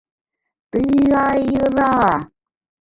Ты-а-а-й-й-ы-р-а...